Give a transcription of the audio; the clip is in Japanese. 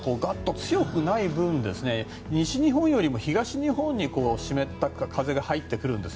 強くない分西日本よりも東日本に湿った風が入ってくるんです。